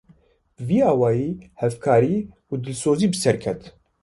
Bi vî awayî hevkarî û dilsozî bi ser ket